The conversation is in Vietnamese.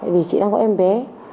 vì chị đang có em về